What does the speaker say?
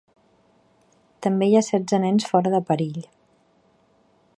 També hi ha setze nens fora de perill.